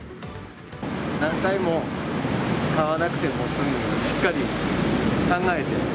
何回も買わなくても済むように、しっかり考えて。